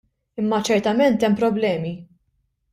Imma ċertament hemm problemi.